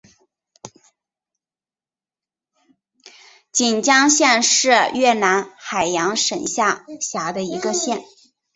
锦江县是越南海阳省下辖的一个县。